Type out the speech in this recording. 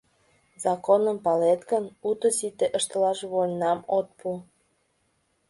Законым палет гын, уто-сите ыштылаш вольнам от пу.